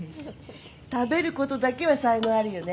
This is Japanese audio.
食べることだけは才能あるよね。